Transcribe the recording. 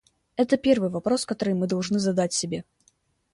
Это первый вопрос, который мы должны задать себе.